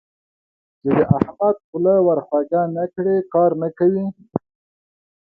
چې د احمد خوله ور خوږه نه کړې؛ کار نه کوي.